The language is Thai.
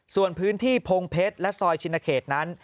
ส่วนพื้นที่พงเพชรและซอยชินเขตนั้น